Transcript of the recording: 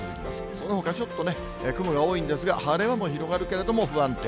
そのほかちょっとね、雲が多いんですが、晴れ間も広がるけれども、不安定。